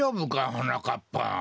はなかっぱ。